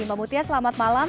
mabutia selamat malam